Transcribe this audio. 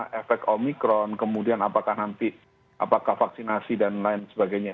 nah karena kita belum tahu sejauh mana efek omikron kemudian apakah nanti apakah vaksinasi dan lain sebagainya itu